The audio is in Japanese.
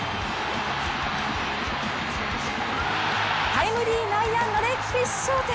タイムリー内野安打で決勝点。